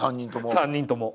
３人とも？